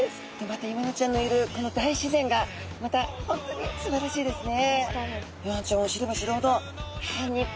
またイワナちゃんのいるこの大自然がまた本当にすばらしいですね。